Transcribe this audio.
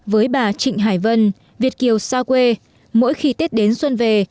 với bà trịnh hải vân việt kiều xa quê mỗi khi tết đến xuân về